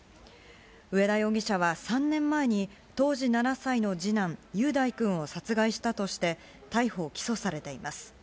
上田容疑者は３年前に、当時７歳の次男、雄大君を殺害したとして、逮捕・起訴されています。